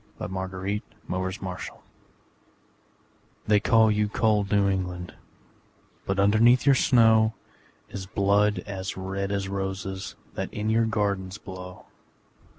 Century Amelia Josephine Burr Ghosts They call you cold New England, But underneath your snow Is blood as red as roses That in your gardens blow.